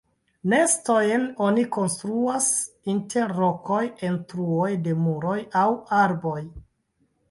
Nestojn oni konstruas inter rokoj, en truoj de muroj aŭ arboj.